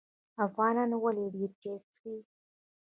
افغانان ولې ډیر چای څښي؟